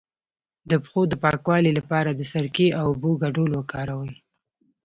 د پښو د پاکوالي لپاره د سرکې او اوبو ګډول وکاروئ